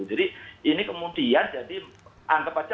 jadi ini kemudian anggap saja